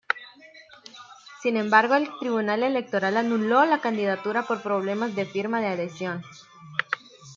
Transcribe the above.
Sin embargo el Tribunal Electoral anuló la candidatura por problemas de firmas de adhesión.